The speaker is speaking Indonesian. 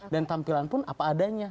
tampilan pun apa adanya